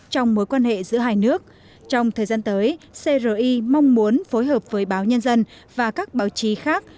trong mối quan hệ giữa hai nước trong thời gian tới cri mong muốn phối hợp với báo nhân dân và các báo chí khác